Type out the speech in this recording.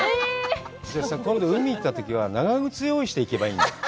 今度、海行ったときは長靴用意して行けばいいよ。